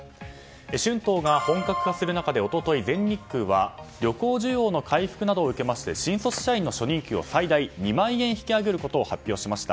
春闘が本格化する中で一昨日、全日空は旅行需要の回復などを受けて新卒社員の初任給を最大２万円引き上げることを発表しました。